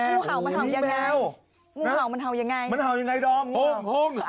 มีแมวมันเห่ายังไงมันเห่ายังไงมันเห่ายังไงดองห้มห้ม